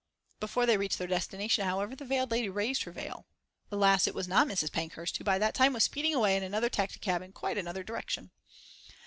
Before they reached their destination, however, the veiled lady raised her veil alas, it was not Mrs. Pankhurst, who by that time was speeding away in another taxicab in quite another direction.